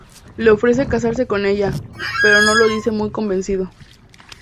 Le ofrece casarse con ella, pero no lo dice muy convencido.